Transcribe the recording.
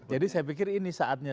jadi saya pikir ini saatnya